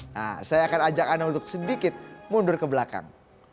nah saya akan ajak anda untuk sedikit mundur ke belakang